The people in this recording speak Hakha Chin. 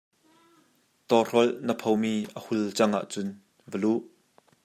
Tawhrolh na phomi a hul cang ah cun va luh.